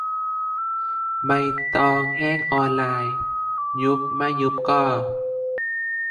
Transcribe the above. ใบตองแห้งออนไลน์ : ยุบไม่ยุบก็.